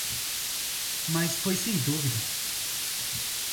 Mas foi sem dúvida.